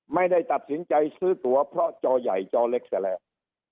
ไม่ได้ตัดสินใจซื้อตัวเพราะจอใหญ่จอเล็กซะแล้ว